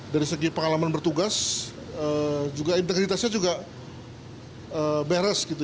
dari segi pengalaman bertugas integritasnya juga beres